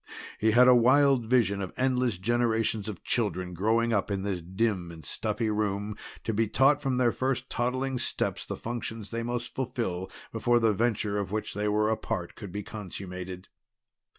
He had a wild vision of endless generations of children growing up in this dim and stuffy room, to be taught from their first toddling steps the functions they must fulfill before the venture of which they were a part could be consummated.